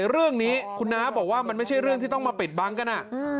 เรื่องนี้คุณน้าบอกว่ามันไม่ใช่เรื่องที่ต้องมาปิดบังกัน